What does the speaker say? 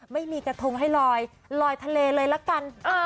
ไม่มีกระทงให้ลอยลอยทะเลเลยละกัน